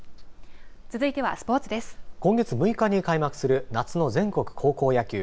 今月６日に開幕する夏の全国高校野球。